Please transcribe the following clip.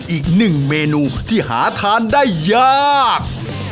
อีกหนึ่งเมนูที่หาทานได้ยาก